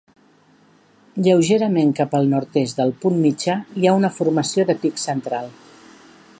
Lleugerament cap al nord-est del punt mitjà hi ha una formació de pic central.